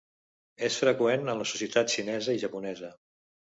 És freqüent en la societat xinesa i japonesa.